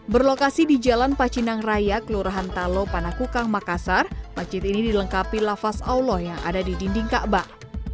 berlokasi di jalan pacinang raya kelurahan talo panakukang makassar masjid ini dilengkapi lafaz allah yang ada di dinding kaabah